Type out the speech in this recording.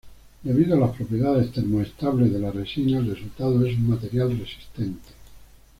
Debido a las propiedades termoestables de la resina el resultado es un material resistente.